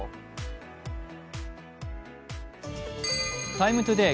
「ＴＩＭＥ，ＴＯＤＡＹ」